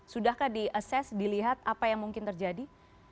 sudahkah di assess dilihat apa yang mungkin terjadi